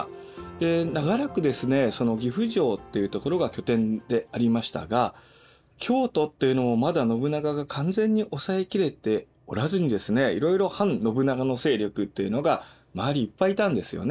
で長らく岐阜城っていうところが拠点でありましたが京都っていうのをまだ信長が完全におさえ切れておらずにいろいろ反信長の勢力っていうのが周りいっぱいいたんですよね。